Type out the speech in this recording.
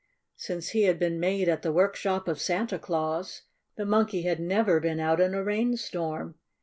Since he had been made at the workshop of Santa Claus, the Monkey had never been out in a rain storm.